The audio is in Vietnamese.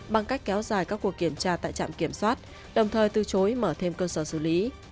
bằng cách kéo dài các cuộc kiểm tra tại trạm kiểm soát đồng thời từ chối mở thêm cơ sở xử lý